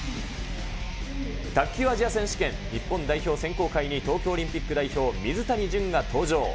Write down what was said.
卓球アジア選手権、日本代表選考会に東京オリンピック代表、水谷隼が登場。